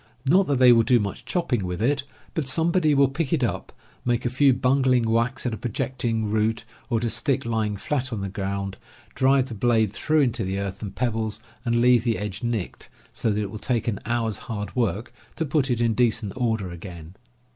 Not that they will do much chopping with it; but somebody will pick it up, make a few bungling whacks at a projecting root, or at a stick lying flat on the ground, drive the blade through into the earth and pebbles, and leave the edge nicked so that it will take an hour's hard work to put it in decent order again.